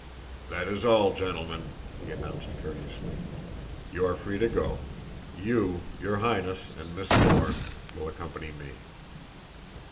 "That is all, gentlemen," he announced courteously. "You are free to go. You, your Highness, and Miss Thorne, will accompany me."